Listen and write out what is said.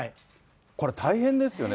これ大変ですよね。